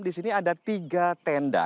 di sini ada tiga tenda